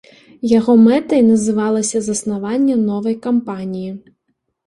Яго мэтай называлася заснаванне новай кампаніі.